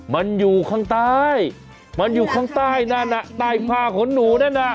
มันอยู่ข้างใต้มันอยู่ข้างใต้นั่นน่ะใต้ผ้าขนหนูนั่นน่ะ